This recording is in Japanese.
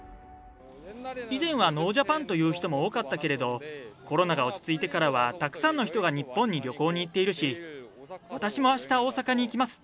以前はノージャパンと言う人も多かったけれど、コロナが落ち着いてからはたくさんの人が日本に旅行に行っているし、私もあした、大阪に行きます。